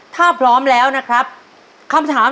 ถ้าพร้อมแล้วนะครับคำถาม